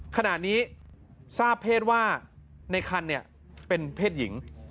ขณะนี้ทราบเพศว่าในคันเป็นเพศหญิง